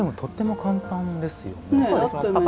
でも、とっても簡単ですよね。